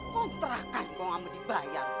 kau perahkan kau gak mau dibayar sih